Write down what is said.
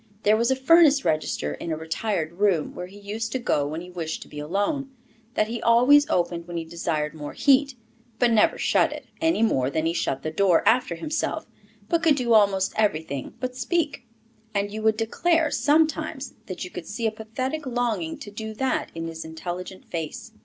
There was a furnace register in a retired room, where he used to go when he wished to be alone, that he always opened when he desired more heat; but never shut it, any more than he shut the door after himself. He could do almost everything but speak; and you would declare sometimes that you could see a pathetic longing to do that in his intelligent face.